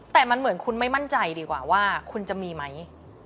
แต่มันเหมือนคุณไม่มั่นใจดีกว่าว่าคุณจะมีไหม